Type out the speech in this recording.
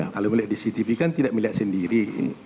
kalau melihat di cctv kan tidak melihat sendiri